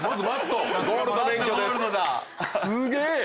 すげえ！